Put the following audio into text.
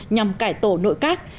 nhằm cải tổ nội các